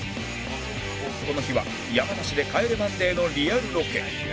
この日は山梨で『帰れマンデー』のリアルロケ